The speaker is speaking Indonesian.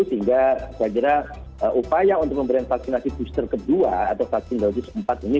sehingga saya kira upaya untuk memberikan vaksinasi booster kedua atau vaksin dosis empat ini